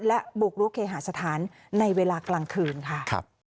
และบุกรุกเคหาสถานในเวลากลางคืนค่ะ